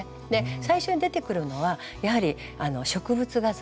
最初に出てくるのはやはり植物画図